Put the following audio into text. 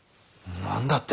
何だって？